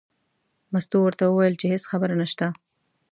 مستو ورته وویل چې هېڅ خبره نشته.